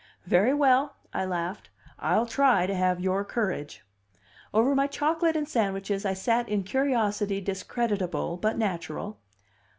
"Very well," I laughed, "I'll try to have your courage." Over my chocolate and sandwiches I sat in curiosity discreditable, but natural.